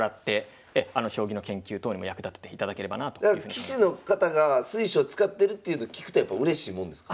棋士の方が水匠使ってるっていうの聞くとやっぱうれしいもんですか？